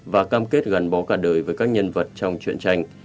và cam kết gắn bó cả đời với các nhân vật trong chuyện tranh